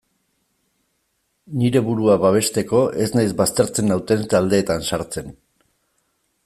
Nire burua babesteko ez naiz baztertzen nauten taldeetan sartzen.